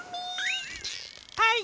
はい。